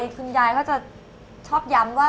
คุณยายเขาจะชอบย้ำว่า